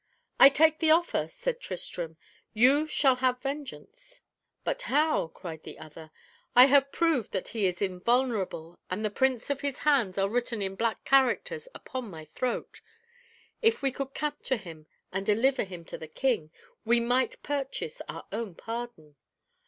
"I take the offer," said Tristram; "you shall have vengeance." "But how?" cried the other. "I have proved that he is invulnerable and the prints of his hands are written in black characters upon my throat. If we could capture him, and deliver him to the king, we might purchase our own pardon."